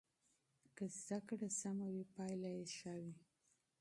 که زده کړه منظمه وي پایله یې ښه ده.